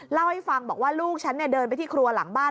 เล่าให้ฟังบอกว่าลูกฉันเดินไปที่ครัวหลังบ้าน